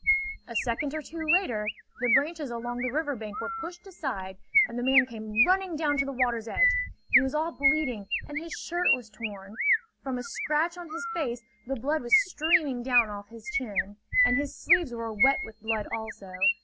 A second or two later, the branches along the river bank were pushed aside, and the man came running down to the water's edge. He was all bleeding and his shirt was torn. From a scratch on his face the blood was streaming down off his chin, and his sleeves were wet with blood also.